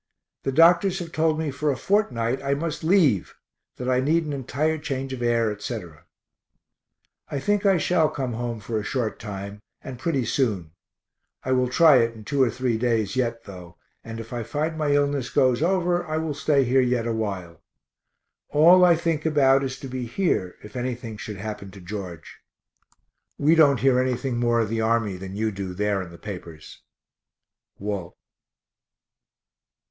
The doctors have told me for a fortnight I must leave; that I need an entire change of air, etc. I think I shall come home for a short time, and pretty soon. (I will try it two or three days yet though, and if I find my illness goes over I will stay here yet awhile. All I think about is to be here if any thing should happen to George). We don't hear anything more of the army than you do there in the papers. WALT.